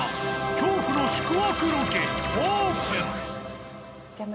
恐怖の宿泊ロケオープン！